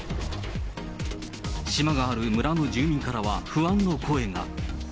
島がある村の住民からは、不安の声が。